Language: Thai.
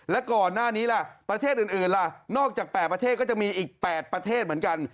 แล้วก่อนหน้านี้ล่ะประเทศอื่นล่ะนอกจาก๘ประเทศก็จะมีอีก๘ประเทศเหมือนกัน